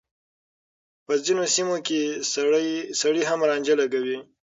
په ځينو سيمو کې سړي هم رانجه لګوي.